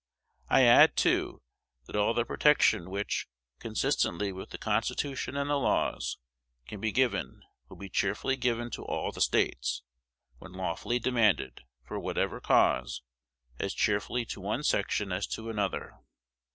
I add, too, that all the protection which, consistently with the Constitution and the laws, can be given, will be cheerfully given to all the States, when lawfully demanded, for whatever cause, as cheerfully to one section as to another.